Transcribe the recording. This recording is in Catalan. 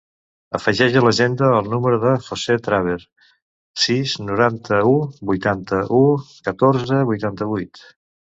Afegeix a l'agenda el número del José Traver: sis, noranta-u, vuitanta-u, catorze, vuitanta-vuit.